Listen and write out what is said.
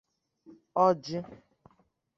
ọjị